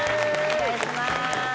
お願いしまーす。